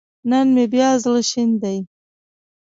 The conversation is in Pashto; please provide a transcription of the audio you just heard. نن مې بيا زړه شين دی